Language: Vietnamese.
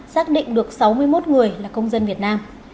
xác định được sáu mươi một người là công dân việt nam